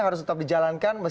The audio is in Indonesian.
harus tetap dijalankan